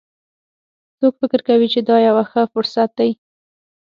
څوک فکر کوي چې دا یوه ښه فرصت ده